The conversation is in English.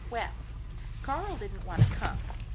Well, Karl didn't want to come.